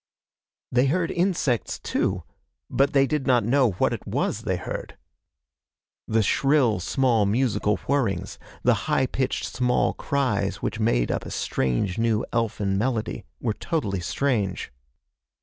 They heard insects, too, but they did not know what it was they heard. The shrill, small musical whirrings, the high pitched small cries which made up a strange new elfin melody, were totally strange.